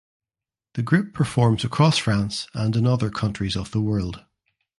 The group performs across France and in other countries of the world.